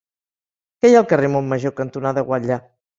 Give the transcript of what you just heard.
Què hi ha al carrer Montmajor cantonada Guatlla?